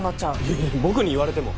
いや僕に言われても。